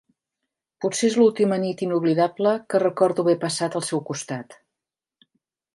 Potser és l'última nit inoblidable que recordo haver passat al seu costat.